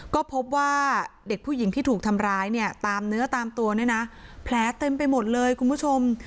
ก็พบว่าเด็กผู้หญิงที่ถูกทำร้ายเนี่ยตามเนื้อตามตัวเนี่ยนะแผลเต็มไปหมดเลยคุณผู้ชม